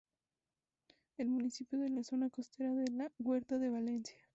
Es un municipio de la zona costera de la huerta de Valencia.